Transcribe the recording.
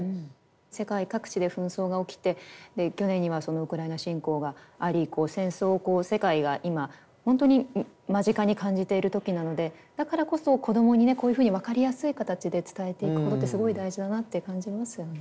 世界各地で紛争が起きて去年にはウクライナ侵攻があり戦争を世界が今本当に間近に感じている時なのでだからこそ子どもにこういうふうに分かりやすい形で伝えていくことってすごい大事だなって感じますよね。